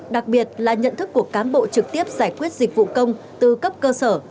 đặc biệt là nhận thức của cán bộ trực tiếp giải quyết dịch vụ công từ cấp cơ sở